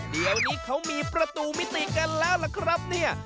เดี๋ยวนี้เขามีประตูมิติกันแล้วล่ะครับเนี่ย